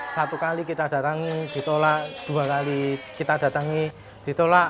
satu kali kita datangi ditolak dua kali kita datangi ditolak